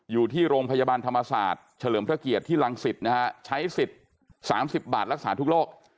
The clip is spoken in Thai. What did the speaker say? อยู่ที่โรงพยาบาลธรรมศาสตร์เฉลิมพระเกียรติที่รังสิตนะฮะใช้สิทธิ์๓๐บาทรักษาทุกโรค